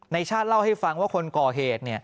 ชาติเล่าให้ฟังว่าคนก่อเหตุ